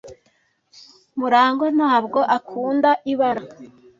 Murangwa ntabwo akunda ibara.